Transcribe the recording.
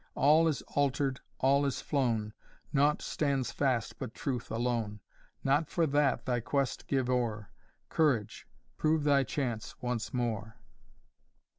All is alter'd, all is flown, Nought stands fast but truth alone. Not for that thy quest give o'er: Courage! prove thy chance once more."